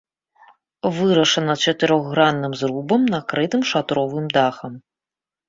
Вырашана чатырохгранным зрубам, накрытым шатровым дахам.